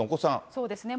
そうですね。